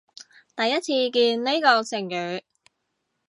第一次見呢個成語